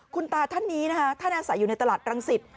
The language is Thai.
คุณตาท่านนี้นะคะท่านอาศัยอยู่ในตลาดรังสิต